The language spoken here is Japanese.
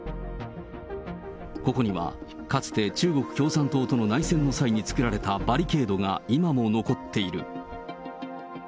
ここには、かつて中国共産党との内戦の際に作られたバリケードが今も残っている。